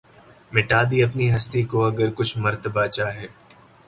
مٹا دی اپنی ھستی کو اگر کچھ مرتبہ چاھے